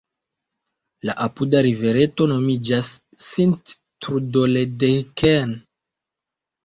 La apuda rivereto nomiĝas "Sint-Trudoledeken".